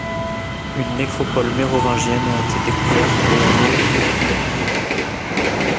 Une nécropole mérovingienne a été découverte au hameau de Cousnicourt.